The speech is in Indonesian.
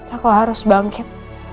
aku harus bangkit